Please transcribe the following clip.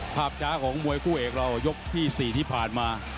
ภาพช้าของมวยคู่เอกเรายกที่๔ที่ผ่านมา